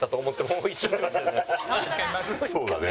そうだね。